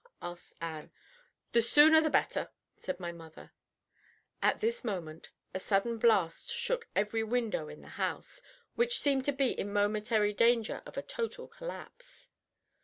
asked Ann. "The sooner the better," said my mother. At this moment a sudden blast shook every window in the house, which seemed to be in momentary danger of a total collapse.